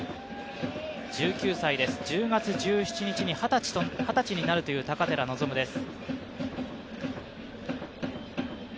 １９歳で、１０月１７日に二十歳になるという高寺望夢です。